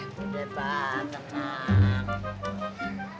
udah mba tenang